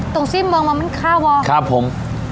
ต้องซิมมองมามันค่ะวะครับผม